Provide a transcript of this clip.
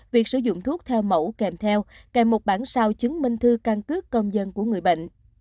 việc sử dụng thuốc theo mẫu kèm theo kèm một bản sao chứng minh thư căn cước công dân của người bệnh